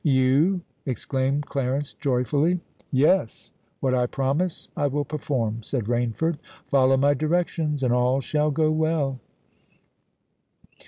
"You?" exclaimed Clarence joyfully. "Yes: what I promise, I will perform," said Rainford. "Follow my directions—and all shall go well."